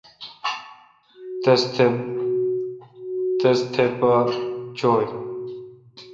تس تھہ پہ چو°ی۔